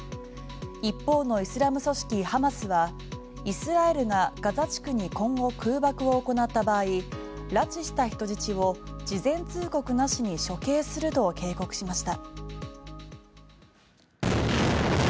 一方のイスラム組織ハマスはイスラエルがガザ地区に今後、空爆を行った場合拉致した人質を事前通告なしに処刑すると警告しました。